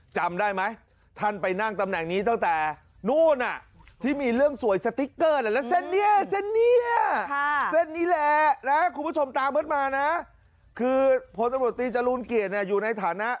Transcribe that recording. จำได้ไหมท่านไปนั่งตำแหน่งนี้ตั้งแต่นู่นน่ะ